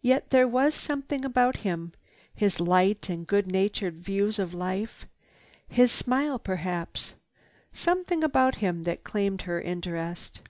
Yet there was something about him, his light and good natured views of life, his smile perhaps, something about him that claimed her interest.